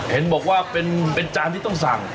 เห็นบอกว่าเป็นจานที่ต้องสั่ง